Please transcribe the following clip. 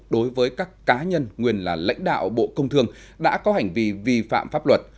đối với các cá nhân nguyên là lãnh đạo bộ công thương đã có hành vi vi phạm pháp luật